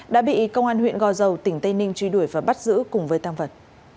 đã bị công an huyện gò dầu tỉnh tây ninh truy đuổi và bắt giữ cùng với tam vật